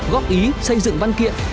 góp ý xây dựng văn kiện